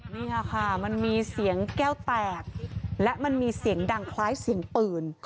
นี่ค่ะมันมีเสียงแก้วแตกและมันมีเสียงดังคล้ายเสียงปืน